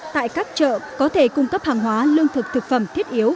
tại các chợ có thể cung cấp hàng hóa lương thực thực phẩm thiết yếu